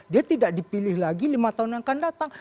dia tidak dipilih lagi lima tahun yang akan datang